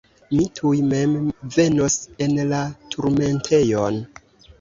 Mi tuj mem venos en la turmentejon.